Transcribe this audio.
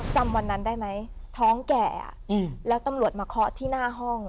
จำวันนั้นได้ไหมท้องแก่แล้วตำรวจมาเคาะที่หน้าห้อง